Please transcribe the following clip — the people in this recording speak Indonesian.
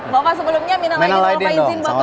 bapak sebelumnya minal aidin maafkan izin bapak